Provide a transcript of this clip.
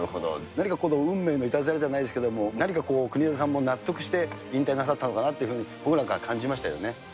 何か運命のいたずらじゃないですけど、何か国枝さんも納得して引退なさったのかなっていうふうに、僕なんかは感じましたよね。